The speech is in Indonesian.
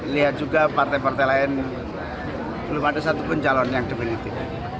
lihat juga partai partai lain belum ada satupun calon yang diperingati